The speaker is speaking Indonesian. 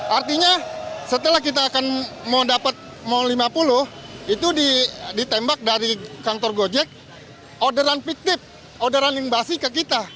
artinya setelah kita akan mau dapat mau lima puluh itu ditembak dari kantor gojek orderan fiktif orderan limbasi ke kita